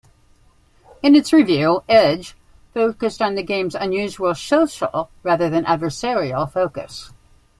In its review, "Edge" focused on the game's unusual social, rather than adversarial, focus.